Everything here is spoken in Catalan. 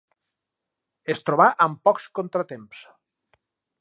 Es trobà amb pocs contratemps.